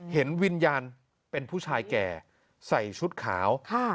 เห็นวิญญาณเป็นผู้ชายแก่ใส่ชุดขาว